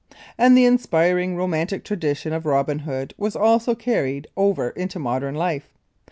And the inspiring romantic tradition of Robin Hood was also carried over into modern life.